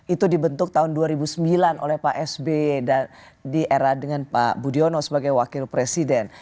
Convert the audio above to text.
itu dibentuk tahun dua ribu sembilan oleh pak sb di era dengan pak budiono sebagai wakil presiden